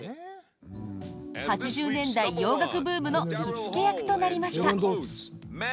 ８０年代、洋楽ブームの火付け役となりました。